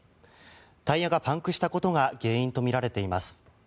タイヤがパンクしたことが原因とみられています。